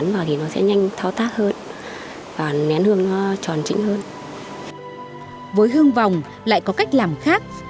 với hương vòng lại có cách làm khác